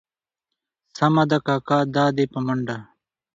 سمه ده کاکا دا دي په منډه.